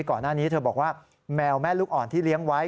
ก่อนหน้านี้เธอบอกว่าแมวแม่ลูกอ่อนที่เลี้ยงไว้